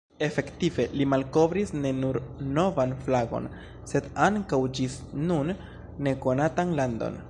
Efektive li malkovris ne nur novan flagon, sed ankaŭ ĝis nun nekonatan landon.